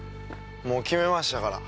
もう決めましたから。